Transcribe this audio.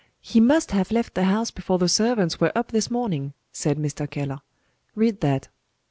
"He must have left the house before the servants were up this morning," said Mr. Keller. "Read that."